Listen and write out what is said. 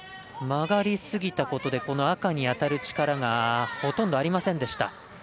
曲がりすぎたことで赤に当たる力がほとんどありませんでした。